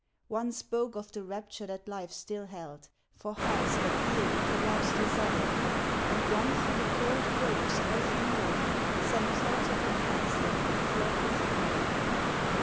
One spoke of the rapture that life still held For hearts that yielded to love's desire, And one through the cold grave's earthy mold Sent thoughts of a past that were fraught with fire.